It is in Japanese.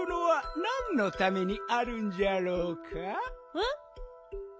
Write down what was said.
えっ？